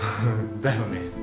だよね。